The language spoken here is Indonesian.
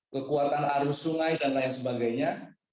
kekuatan arus sungai dan lain sebagainya